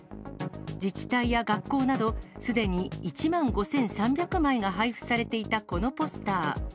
自治体や学校など、すでに１万５３００枚が配布されていたこのポスター。